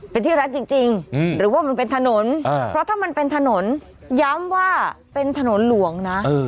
เป็นที่รัดจริงหรือว่ามันเป็นถนนเพราะถ้ามันเป็นถนนย้ำว่าเป็นถนนหลวงนะ